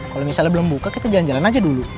kalau misalnya belum buka kita jalan jalan aja dulu